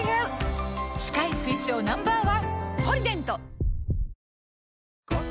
歯科医推奨 Ｎｏ．１！